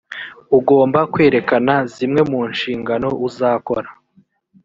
ugomba kwerekana zimwe mu nshingano uzakora